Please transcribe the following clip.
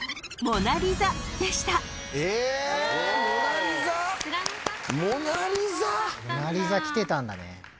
『モナ・リザ』来てたんだね。